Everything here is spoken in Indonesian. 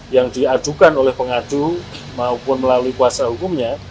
yang diajukan oleh pengadu maupun melalui kuasa hukumnya